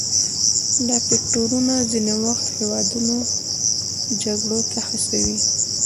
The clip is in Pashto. دا فکتورونه ځینې وخت هیوادونه جګړو ته هڅوي